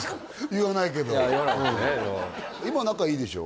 言わないけどうん今仲いいでしょ？